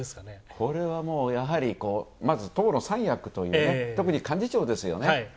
これはもう、やはり、まず党の三役という特に幹事長ですよね。